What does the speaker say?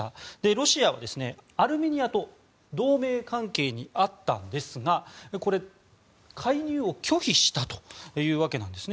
ロシアはアルメニアと同盟関係にあったんですが介入を拒否したというわけなんですね。